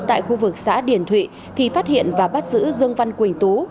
tại khu vực xã điền thụy thì phát hiện và bắt xử dương văn quỳnh tú